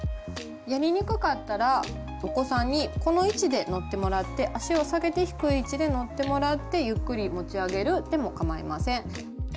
やりにくかったらお子さんにこの位置で乗ってもらって脚を下げて低い位置で乗ってもらってゆっくり持ち上げるでも構いません。